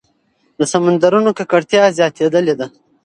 د سمندرونو ککړتیا زیاتېدلې ده.